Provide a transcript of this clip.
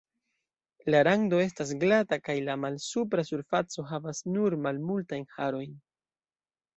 La rando estas glata kaj la malsupra surfaco havas nur malmultajn harojn.